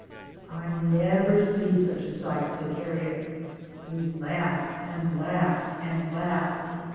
" I nebber see such a sight," said Harriet ; we laughed, an' laughed, an' laughed.